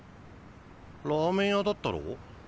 ラーメン屋だったろ？